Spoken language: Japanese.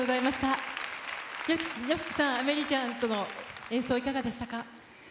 ＹＯＳＨＩＫＩさん、アメリアちゃんとの演奏、いかがでしたか。